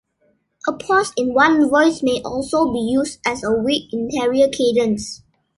A pause in one voice may also be used as a weak interior cadence.